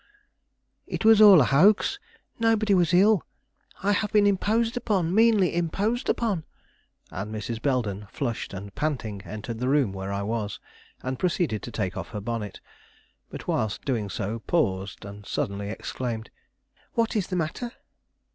"It was all a hoax; nobody was ill; I have been imposed upon, meanly imposed upon!" And Mrs. Belden, flushed and panting, entered the room where I was, and proceeded to take off her bonnet; but whilst doing so paused, and suddenly exclaimed: "What is the matter?